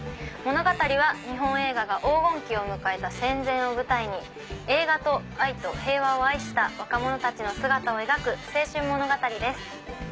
物語は日本映画が黄金期を迎えた戦前を舞台に映画と愛と平和を愛した若者たちの姿を描く青春物語です。